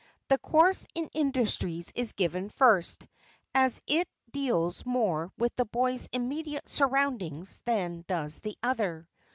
The course in industries is given first, as it deals more with the boys' immediate surroundings than does the other.